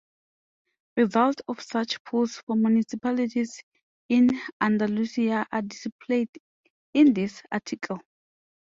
Results of such polls for municipalities in Andalusia are displayed in this article.